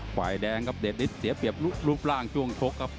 ฝ่ายแดงครับเดชฤทธิเสียเปรียบรูปร่างช่วงชกครับ